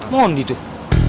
mau on di tuh